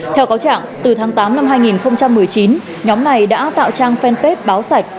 theo cáo trạng từ tháng tám năm hai nghìn một mươi chín nhóm này đã tạo trang fanpage báo sạch